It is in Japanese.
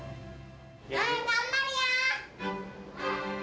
頑張るよ。